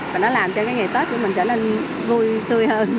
và nó làm cho cái ngày tết của mình trở nên vui tươi hơn